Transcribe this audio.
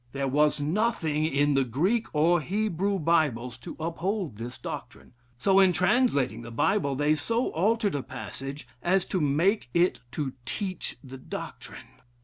There was nothing in the Greek or Hebrew Bibles to uphold this doctrine, so in translating the Bible they so altered a passage as to make it to teach the doctrine.